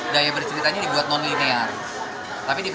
daya berceritanya dibuat non linear